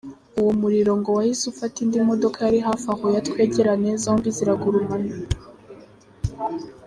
Uwo muriro ngo wahise ufata indi modoka yari hafi aho ya "Twegerane", zombi ziragurumana.